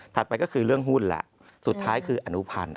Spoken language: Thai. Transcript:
ไปก็คือเรื่องหุ้นแหละสุดท้ายคืออนุพันธ์